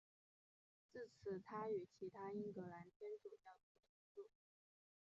自此他与其他英格兰天主教徒同住。